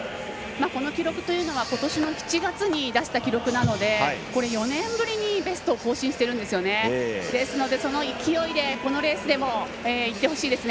この記録というのがことしの７月に出した記録なので４年ぶりにベストを更新しているのでその勢いでこのレースでもいってほしいですね。